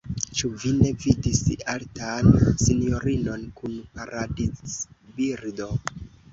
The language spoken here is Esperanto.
Ĉu vi ne vidis altan sinjorinon kun paradizbirdo?